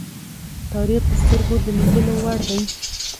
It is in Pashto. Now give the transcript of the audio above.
تاریخ د سترگو د لیدلو وړ دی.